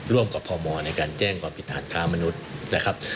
ร่วมกับพมในการแจ้งความผิดฐานค้ามนุษย์นะครับ